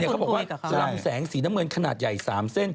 เขาบอกว่าลำแสงสีน้ำเงินขนาดใหญ่๓เส้น